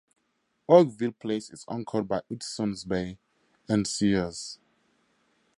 Oakville Place is anchored by Hudson's Bay and Sears.